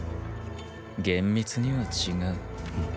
厳密には違う。？